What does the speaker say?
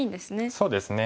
そうですね。